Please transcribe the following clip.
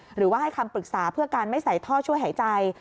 หรือว่าให้คำปรึกษาเพื่อการไม่ใส่ท่อช่วยหายใจ